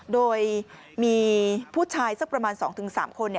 โดยมีผู้ชายสักประมาณสองถึงสามคน